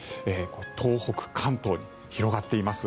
東北、関東に広がっています。